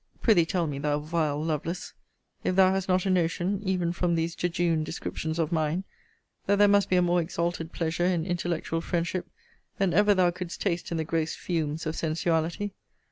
Pr'ythee tell me, thou vile Lovelace, if thou hast not a notion, even from these jejune descriptions of mine, that there must be a more exalted pleasure in intellectual friendship, than ever thou couldst taste in the gross fumes of sensuality?